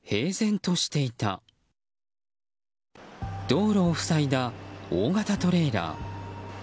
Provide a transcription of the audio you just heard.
道路を塞いだ大型トレーラー。